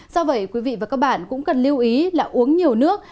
do vậy quý vị và các bạn cũng cần lưu ý là uống nhiều nước